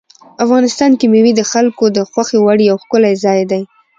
افغانستان کې مېوې د خلکو د خوښې وړ یو ښکلی ځای دی.